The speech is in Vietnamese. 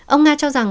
ông nga cho rằng